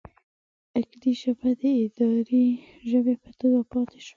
اکدي ژبه د اداري ژبې په توګه پاتې شوه.